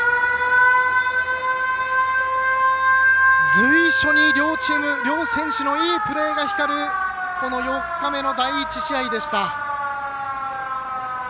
随所に、両チーム両選手のよさが光るこの４日目の第１試合でした。